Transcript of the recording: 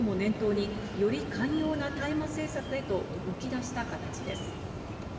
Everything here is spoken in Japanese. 経済効果なども念頭に、より寛容な大麻政策へと動き出した形です。